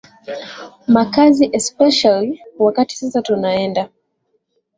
makazi especially wakati sasa tunaenda